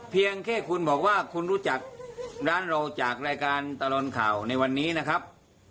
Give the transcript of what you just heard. เพียงแค่คุณบอกว่าคุณรู้จักร้านเราจากรายการตลอดข่าวในวันนี้นะครับ